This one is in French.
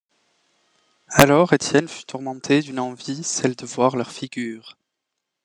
Alors, Étienne fut tourmenté d’une envie, celle de voir leurs figures.